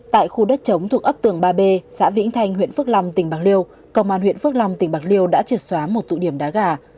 tại khu đất chống thuộc ấp tường ba b xã vĩnh thanh huyện phước long tỉnh bạc liêu công an huyện phước long tỉnh bạc liêu đã triệt xóa một tụ điểm đá gà